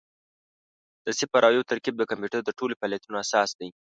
د صفر او یو ترکیب د کمپیوټر د ټولو فعالیتونو اساس دی.